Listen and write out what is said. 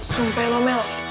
sumpah lo mel